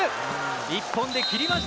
１本で切りました。